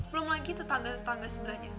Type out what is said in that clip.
belum lagi tuh tangga tangga sebelahnya